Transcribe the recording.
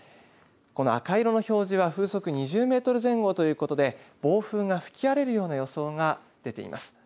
この赤色の表示は風速２０メートル前後ということで暴風が吹き荒れるような予想が出ています。